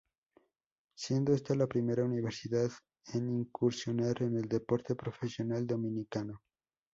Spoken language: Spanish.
Siendo esta la primera universidad en incursionar en el deporte profesional dominicano.